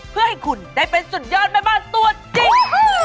เพื่อให้คุณได้เป็นสุดยอดแม่บ้านตัวจริง